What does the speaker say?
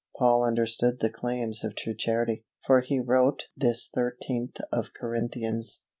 Paul understood the claims of true Charity, for he wrote this thirteenth of Corinthians.